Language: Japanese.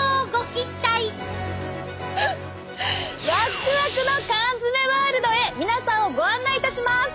ワクワクの缶詰ワールドへ皆さんをご案内いたします。